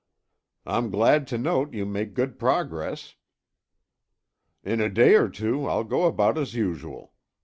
"I'm glad to note you make good progress." "In a day or two I'll go about as usual.